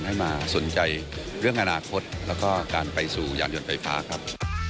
ให้มาสนใจเรื่องอนาคตแล้วก็การไปสู่ยานยนต์ไฟฟ้าครับ